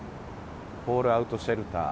フォールアウトシェルター。